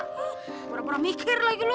pura pura mikir lagi lu